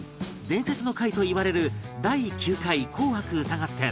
伝説の回といわれる第９回『紅白歌合戦』